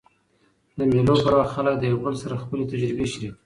د مېلو پر وخت خلک له یو بل سره خپلي تجربې شریکوي.